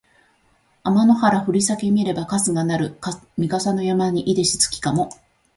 あまの原ふりさけ見ればかすがなるみ笠の山にいでし月かも